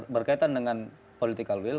berkaitan dengan political will